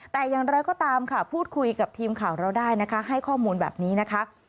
แต่อย่างไรก็ตามค่ะพูดคุยกับทีมข่าวเราได้นะคะให้ข้อมูลแบบนี้นะคะ